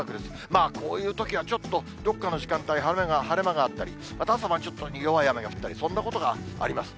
まあ、こういうときはちょっと、どこかの時間帯、晴れ間があったり、また朝晩ちょっと弱い雨が降ったり、そんなことがあります。